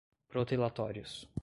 protelatórios